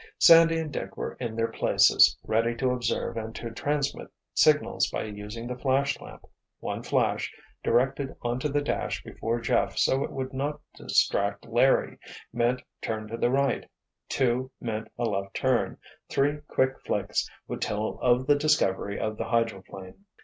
Sandy and Dick were in their places, ready to observe and to transmit signals by using the flashlamp—one flash, directed onto the dash before Jeff so it would not distract Larry, meant turn to the right, two meant a left turn, three quick flicks would tell of the discovery of the hydroplane.